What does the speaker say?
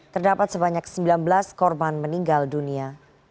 terdapat sebanyak sembilan belas korban meninggal dunia